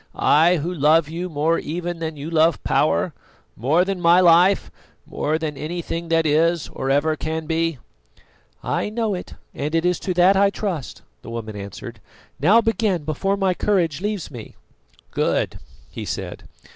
I, who love you more even than you love power, more than my life, more than anything that is or ever can be." "I know it, and it is to that I trust," the woman answered. "Now begin, before my courage leaves me." "Good," he said.